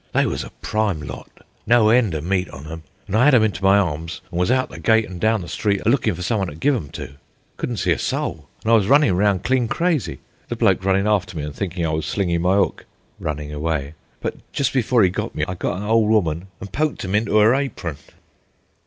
"They was a prime lot, no end o' meat on 'em, an' I 'ad 'em into my arms an' was out the gate an' down the street, a lookin' for some 'un to gi' 'em to. Couldn't see a soul, an' I was runnin' 'round clean crazy, the bloke runnin' after me an' thinkin' I was 'slingin' my 'ook' [running away]. But jest before 'e got me, I got a ole woman an' poked 'em into 'er apron."